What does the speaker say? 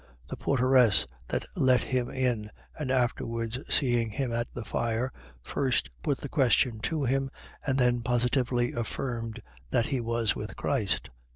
The porteress that let him in, and afterwards seeing him at the fire, first put the question to him; and then positively affirmed that he was with Christ.